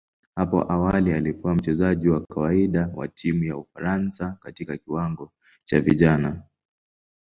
Hapo awali alikuwa mchezaji wa kawaida wa timu ya Ufaransa katika kiwango cha vijana.